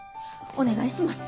お願いします。